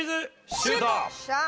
シュート！